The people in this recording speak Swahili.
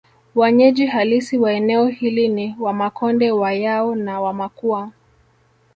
Wanyeji halisi wa eneo hili ni Wamakonde Wayao na Wamakua